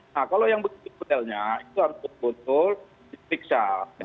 nah kalau yang begitu detailnya itu harus betul betul diperiksa